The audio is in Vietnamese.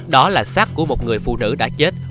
đó là sát của một người phụ nữ đã chết